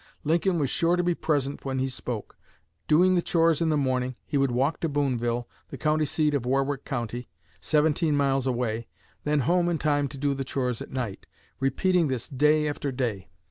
Lincoln was sure to be present when he spoke. Doing the chores in the morning, he would walk to Booneville, the county seat of Warwick County, seventeen miles away, then home in time to do the chores at night, repeating this day after day.